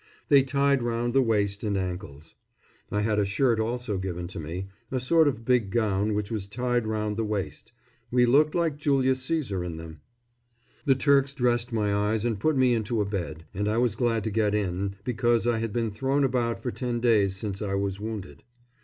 They tied round the waist and ankles. I had a shirt also given to me, a sort of big gown which was tied round the waist. We looked like Julius Cæsar in them. The Turks dressed my eyes and put me into a bed, and I was glad to get in, because I had been thrown about for ten days since I was wounded.